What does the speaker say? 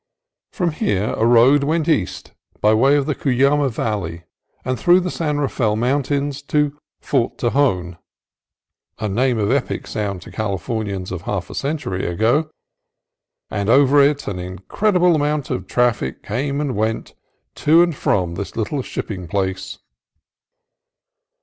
From here a road went east by way of the Cuyama Valley and through the San Rafael Mountains to Fort Tejon (a name of epic sound to Calif ornians of half a century ago), and over it an incredible amount of traffic came and went to and from this little shipping place.